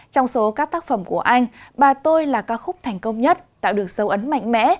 trong số các tác phẩm của anh bà tôi là ca khúc thành công nhất tạo được sâu ấn mạnh mẽ